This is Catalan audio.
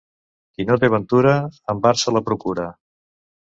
Qui no té ventura, amb art se la procura.